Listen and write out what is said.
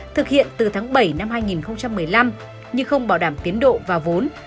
thực hiện từ tháng bảy năm hai nghìn một mươi năm nhưng không bảo đảm tiến độ và vốn